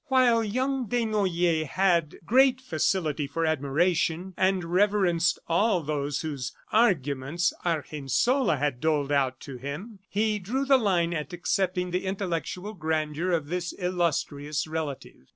While young Desnoyers had great facility for admiration, and reverenced all those whose "arguments" Argensola had doled out to him, he drew the line at accepting the intellectual grandeur of this illustrious relative.